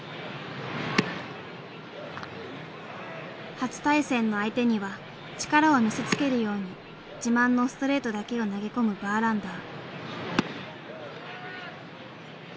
初対戦の相手には力を見せつけるように自慢のストレートだけを投げ込むバーランダー。